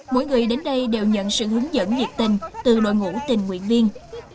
mỗi người đến đây đều nhận sự hướng dẫn nhiệt tình từ đội ngũ tình nguyện viên